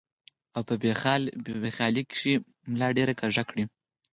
او پۀ بې خيالۍ کښې ملا ډېره کږه کړي ـ